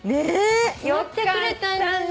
集まってくれたんだね。